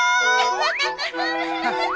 ハハハハ。